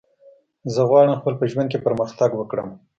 زه غواړم خپل په ژوند کی پرمختګ وکړم